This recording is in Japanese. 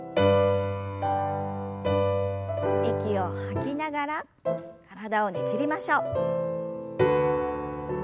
息を吐きながら体をねじりましょう。